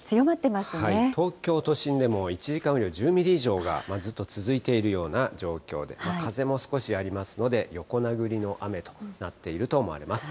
東京都心でも１時間雨量、１０ミリ以上がずっと続いているような状況で、風も少しありますので、横殴りの雨となっていると思われます。